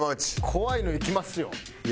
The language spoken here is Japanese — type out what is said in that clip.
怖いのいきますよ。